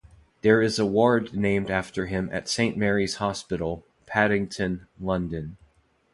There is a ward named after him at Saint Mary's Hospital, Paddington, London.